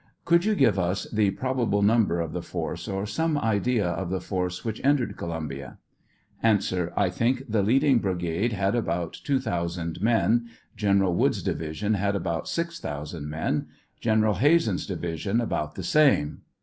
Could you give us the probable number of the force, or some idea of the force which entered Co lumbia? A. I think the leading brigade had about two thou sand men ; General Wood's division had about 6,000 men ; General Hazen's division about the same.